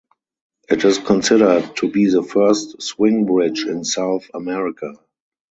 It is considered to be the first swing bridge in South America.